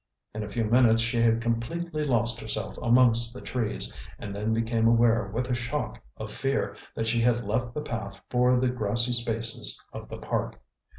In a few minutes she had completely lost herself amongst the trees, and then became aware with a shock of fear that she had left the path for the grassy spaces of the Park.